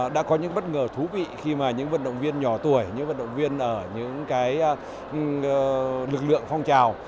đã có những bất ngờ thú vị khi mà những vận động viên nhỏ tuổi những vận động viên ở những lực lượng phong trào